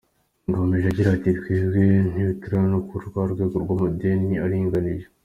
Yakomeje agira ati “Twe ntituragera no kuri rwa rwego rw’amadeni aringaniye.